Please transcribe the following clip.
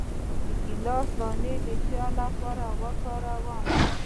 د ګیلاس دانه د څه لپاره وکاروم؟